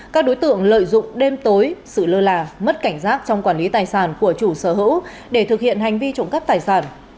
các đối tượng lợi dụng đêm tối sự lơ là mất cảnh giác trong quản lý tài sản của chủ sở hữu để thực hiện hành vi trộm cắp tài sản